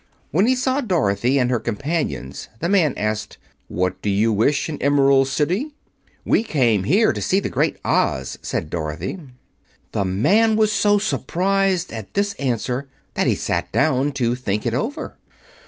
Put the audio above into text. When he saw Dorothy and her companions the man asked, "What do you wish in the Emerald City?" "We came here to see the Great Oz," said Dorothy. The man was so surprised at this answer that he sat down to think it over.